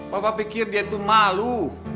papa pikir dia tuh malu